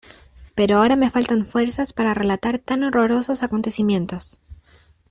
Pero ahora me faltan fuerzas para relatar tan horrorosos acontecimientos.